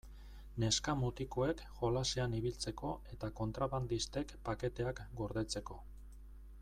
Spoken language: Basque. Neska-mutikoek jolasean ibiltzeko eta kontrabandistek paketeak gordetzeko.